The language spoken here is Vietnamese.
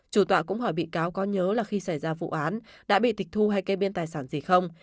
chủ tọa cũng hỏi bị cáo có nhớ là khi xảy ra vụ án đã bị tịch thu hay kê biên tài sản gì không